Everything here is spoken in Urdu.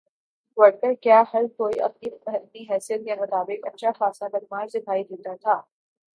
ورکر کیا ہر کوئی اپنی اپنی حیثیت کے مطابق اچھا خاصا بدمعاش دکھائی دیتا تھا۔